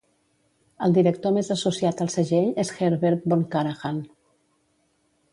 El director més associat al segell és Herbert von Karajan.